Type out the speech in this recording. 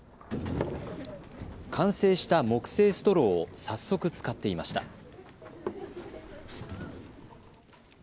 完成した木製ストローを早速、使っていました。